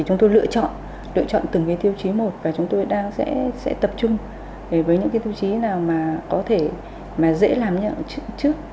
chúng tôi lựa chọn từng tiêu chí một và chúng tôi sẽ tập trung với những tiêu chí nào có thể dễ làm nhận trước